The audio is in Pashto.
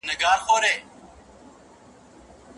هغوی بايد د الله تعالی شکر اداء کړي.